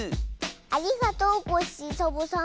ありがとうコッシーサボさん。